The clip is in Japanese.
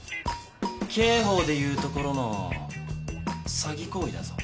刑法でいうところの詐欺行為だぞ。